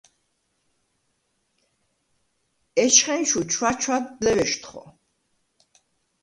ეჩხენჩუ ჩვაჩვადდ ლევეშთხო.